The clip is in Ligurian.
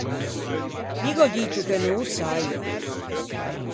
Mi gh’ò dito che no ô saiva.